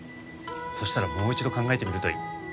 そしたらもう一度考えてみるといい。